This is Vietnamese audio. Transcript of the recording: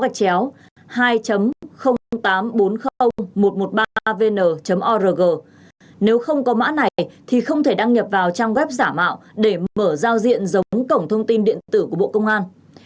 nếu org nếu không có mã này thì không thể đăng nhập vào trang web giả mạo để mở giao diện giống cổng thông tin điện tử của bộ công an